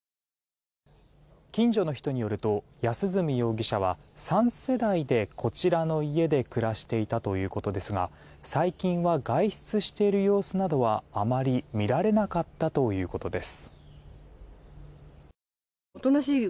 近所の人によると安栖容疑者は３世代でこちらの家で暮らしていたということですが最近は、外出している様子などはあまり見られなかったということです。